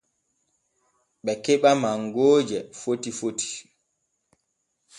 Ɓe keɓa mangooje foti foti.